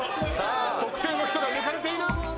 特定の人が抜かれている。